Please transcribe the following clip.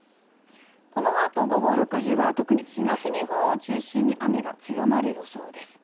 このあと午後６時は、特に東日本を中心に雨が強まる予想です。